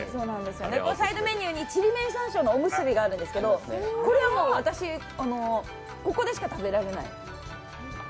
サイドメニューにちりめん山椒のおむすびがあるんですけどこれも、ここでしか食べられない。